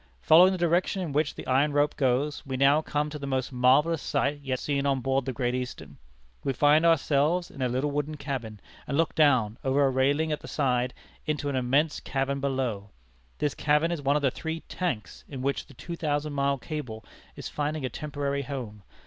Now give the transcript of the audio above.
Following the direction in which the iron rope goes, we now come to the most marvellous sight yet seen on board the Great Eastern. We find ourselves in a little wooden cabin, and look down, over a railing at the side, into an immense cavern below. This cavern is one of the three 'tanks' in which the two thousand mile cable is finding a temporary home.